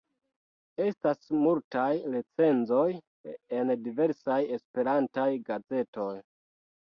Estas multaj recenzoj en diversaj Esperantaj gazetoj.